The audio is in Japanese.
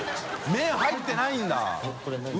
入ってないんだ？